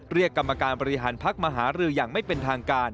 กรรมการบริหารพักมาหารืออย่างไม่เป็นทางการ